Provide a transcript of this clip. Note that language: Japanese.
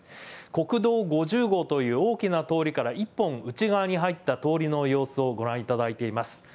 国道５０号という大きな通りから１本内側に入った通りの様子をご覧いただいています。